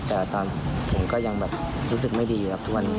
แต่ตอนผมก็ยังแบบรู้สึกไม่ดีครับทุกวันนี้